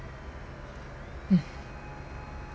うん。